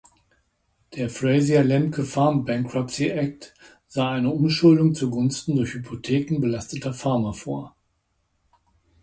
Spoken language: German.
Der "Frazier–Lemke Farm Bankruptcy Act" sah eine Umschuldung zugunsten durch Hypotheken belasteter Farmer vor.